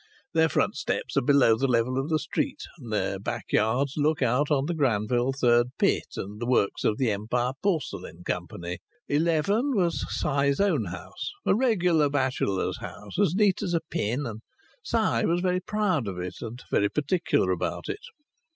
Their front steps are below the level of the street, and their backyards look out on the Granville Third Pit and the works of the Empire Porcelain Company. 11 was Si's own house, a regular bachelor's house, as neat as a pin, and Si was very proud of it and very particular about it.